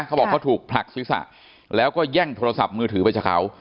เขาบอกเขาถูกผลักศีรษะแล้วก็แย่งโทรศัพท์มือถือไปจากเขา